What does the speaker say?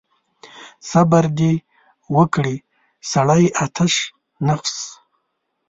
صبر دې وکړي سړی آتش نفس.